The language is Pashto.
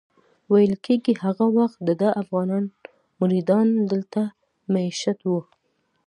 ویل کېږي هغه وخت دده افغان مریدان دلته مېشت وو.